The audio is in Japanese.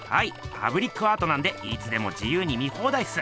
パブリックアートなんでいつでも自由に見放題っす！